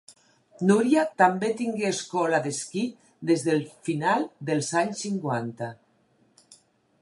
Núria també tingué escola d'esquí des del final dels anys cinquanta.